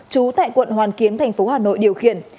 trú tại quận hoàn kiếm thành phố hà nội điều khiển